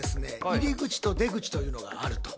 入り口と出口というのがあると。